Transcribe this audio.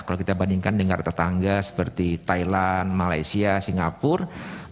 kalau kita bandingkan dengan tetangga seperti thailand malaysia singapura